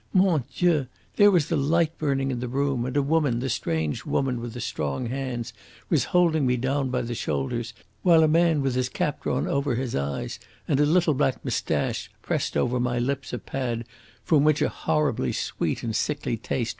Mon Dieu! There was the light burning in the room, and a woman, the strange woman with the strong hands, was holding me down by the shoulders, while a man with his cap drawn over his eyes and a little black moustache pressed over my lips a pad from which a horribly sweet and sickly taste filled my mouth.